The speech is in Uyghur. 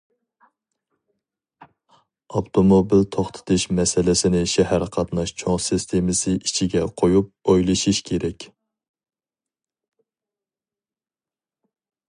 ئاپتوموبىل توختىتىش مەسىلىسىنى شەھەر قاتناش چوڭ سىستېمىسى ئىچىگە قويۇپ ئويلىشىش كېرەك.